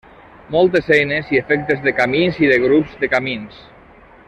Moltes eines i efectes de camins i de grups de camins.